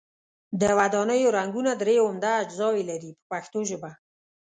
د ودانیو رنګونه درې عمده اجزاوې لري په پښتو ژبه.